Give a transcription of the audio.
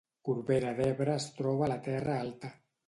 Corbera d’Ebre es troba a la Terra Alta